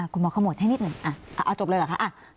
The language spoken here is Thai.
คุณหมอขโมดให้นิดหนึ่งเอาจบเลยเหรอคะ